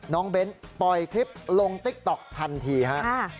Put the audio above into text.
เบ้นปล่อยคลิปลงติ๊กต๊อกทันทีฮะ